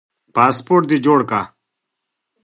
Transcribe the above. پاسپورټ دي جوړ کړه